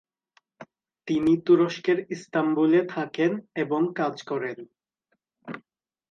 তিনি তুরস্কের ইস্তাম্বুলে থাকেন এবং কাজ করেন।